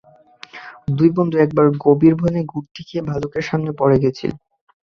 দুই বন্ধু একবার গভীর বনে ঘুরতে গিয়ে ভালুকের সামনে পড়ে গেছিল।